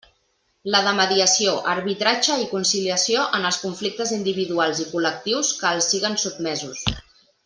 La de mediació, arbitratge i conciliació en els conflictes individuals i col·lectius que els siguen sotmesos.